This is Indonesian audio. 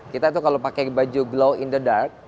kita tuh kalau pakai baju glow in the dark